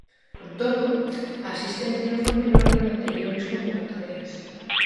Con todo, a asistencia foi menor que en anteriores convocatorias.